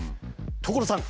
所さん！